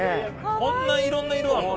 こんないろんな色あるの？